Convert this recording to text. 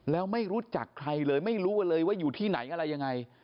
แล้วไม่รู้จักใครเลยไม่รู้เลยว่าอยู่ที่ไหนอะไรยังไง